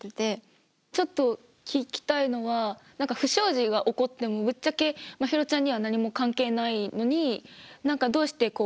ちょっと聞きたいのは不祥事が起こってもぶっちゃけまひろちゃんには何も関係ないのに何かどうしてこう。